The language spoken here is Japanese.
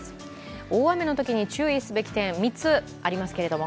大雨のときに注意すべき点、３つありますけれども。